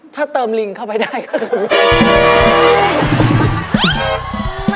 ถ้าเติมลิงเข้าไปได้ก็คือ